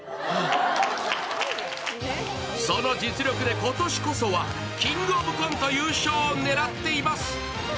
その実力で今年こそは「キングオブコント」優勝を狙っています。